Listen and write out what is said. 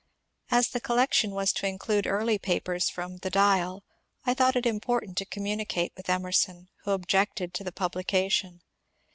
As the collection was to include early papers from the ^^ Dial,'' I thought it important to communicate with Emerson, who objected to the publication.